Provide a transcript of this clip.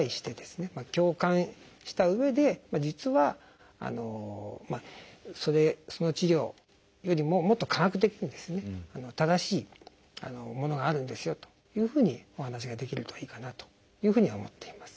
共感したうえで「実はその治療よりももっと科学的に正しいものがあるんですよ」というふうにお話ができるといいかなというふうに思っています。